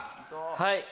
はい。